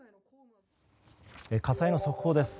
火災の速報です。